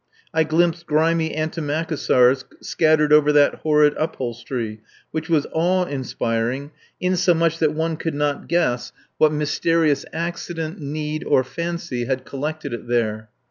I glimpsed grimy antimacassars scattered over that horrid upholstery, which was awe inspiring, insomuch that one could not guess what mysterious accident, need, or fancy had collected it there.